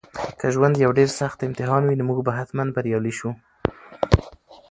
که ژوند یو ډېر سخت امتحان وي نو موږ به حتماً بریالي شو.